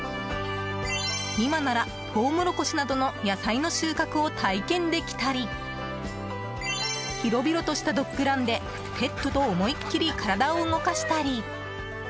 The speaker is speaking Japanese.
今ならトウモロコシなどの野菜の収穫を体験できたり広々としたドッグランでペットと思いっきり体を動かしたり。